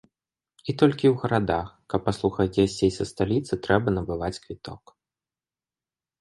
І толькі у гарадах, каб паслухаць гасцей са сталіцы, трэба набываць квіток.